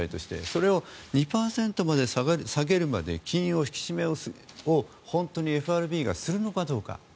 それを２％まで下げるまで金融の引き締めを本当にＦＲＢがするのかどうか。